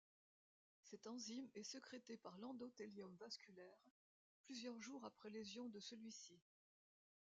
Cette enzyme est sécrétée par l'endothélium vasculaire, plusieurs jours après lésion de celui-ci.